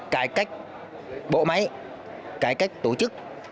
cải cách bộ máy cải cách tổ chức